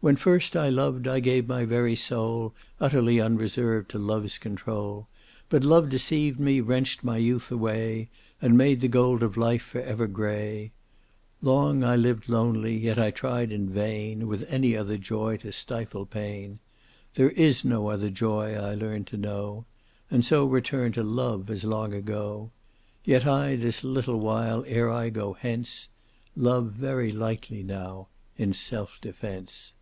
"When first I loved I gave my very soul Utterly unreserved to Love's control, But Love deceived me, wrenched my youth away, And made the gold of life forever gray. Long I lived lonely, yet I tried in vain With any other joy to stifle pain; There is no other joy, I learned to know, And so returned to love, as long ago, Yet I, this little while ere I go hence, Love very lightly now, in self defense."